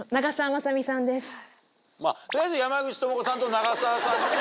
取りあえず山口智子さんと長澤さんのね。